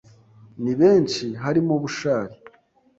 Ni benshi harimo Bushali,